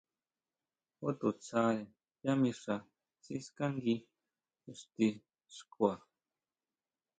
Ju to tsáre yá mixa siskángui ixti xkua.